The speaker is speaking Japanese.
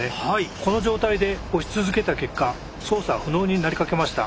この状態で押し続けた結果操作不能になりかけました。